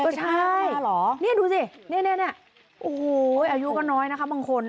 ก็ใช่นี่ดูสินี่โอ้โหอายุก็น้อยนะคะบางคน